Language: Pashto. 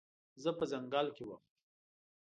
زه په ځنګل کې وم